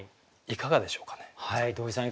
いかがでしょう？